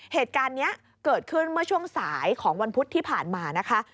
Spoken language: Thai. เหตุการณ์นี้เกิดขึ้นเมื่อช่วงสายของวันพุธที่ผ่านมานะคะ